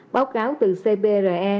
báo cáo từ cpri